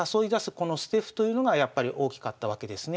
この捨て歩というのがやっぱり大きかったわけですね。